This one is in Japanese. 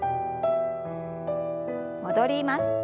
戻ります。